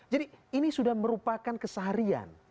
jadi ini sudah merupakan keseharian